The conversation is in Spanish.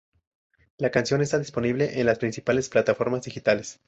La canción está disponible en las principales plataformas digitales.